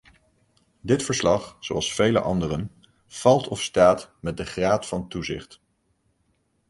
Dit verslag, zoals vele anderen, valt of staat met de graad van toezicht.